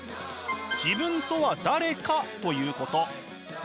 自分とは誰か？ということ。